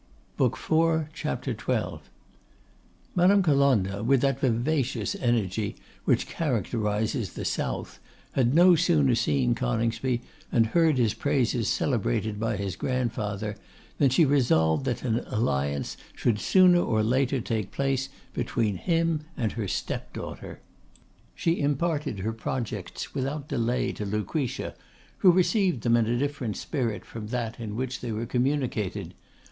Madame Colonna, with that vivacious energy which characterises the south, had no sooner seen Coningsby, and heard his praises celebrated by his grandfather, than she resolved that an alliance should sooner or later take place between him and her step daughter. She imparted her projects without delay to Lucretia, who received them in a different spirit from that in which they were communicated.